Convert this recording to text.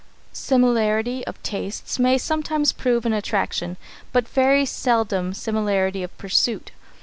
Similarity of tastes may sometimes prove an attraction, but very seldom similarity of pursuit.